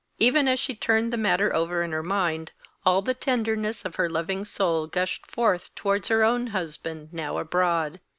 Even as she turned the matter over in her mind, all the tenderness of her loving soul gushed forth towards her own husband now abroad.